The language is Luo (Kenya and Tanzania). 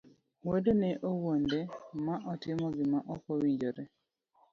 wuode ne owuonde ma otimo gima okowinjore.